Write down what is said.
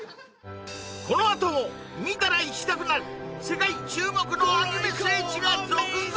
このあとも見たら行きたくなる世界注目のアニメ聖地が続々！